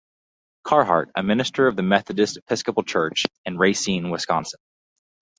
Carhart, a minister of the Methodist Episcopal Church, in Racine, Wisconsin.